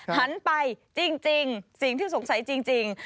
หันไปจริงสิ่งที่สงสัยจริง